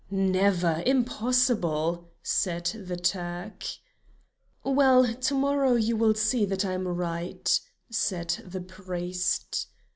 "Never! Impossible!" said the Turk. "Well, to morrow you will see that I am right," said the priest.